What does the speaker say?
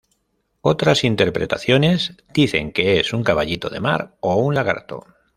Otras interpretaciones dicen que es un caballito de mar o un lagarto.